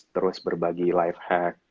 terus berbagi life hack